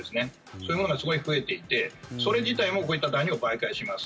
そういうものがすごい増えていてそれ自体もこういったダニを媒介します。